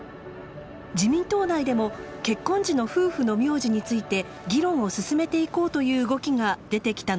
自民党内でも結婚時の夫婦の名字について議論を進めていこうという動きが出てきたのです。